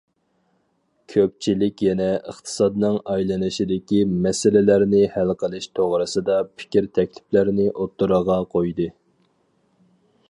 كۆپچىلىك يەنە ئىقتىسادنىڭ ئايلىنىشىدىكى مەسىلىلەرنى ھەل قىلىش توغرىسىدا پىكىر- تەكلىپلەرنى ئوتتۇرىغا قويدى.